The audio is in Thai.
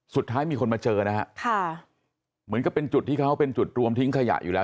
สุดท้ายมีคนมาเจอนะฮะค่ะเหมือนกับเป็นจุดที่เขาเป็นจุดรวมทิ้งขยะอยู่แล้ว